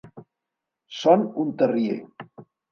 Són un terrier.